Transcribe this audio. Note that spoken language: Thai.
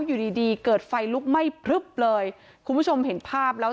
อยู่ดีดีเกิดไฟลุกไหม้พลึบเลยคุณผู้ชมเห็นภาพแล้ว